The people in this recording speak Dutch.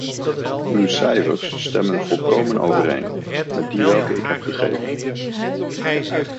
Uw cijfers stemmen volkomen overeen met die welke ik heb gegeven.